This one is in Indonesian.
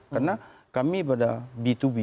karena kami pada b dua b